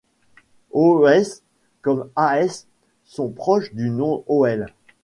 Ohès comme Ahès sont proches du nom Hoël.